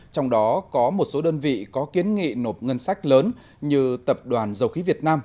trong đó có một số đơn vị có kiến nghị nộp ngân sách lớn như tập đoàn dầu khí việt nam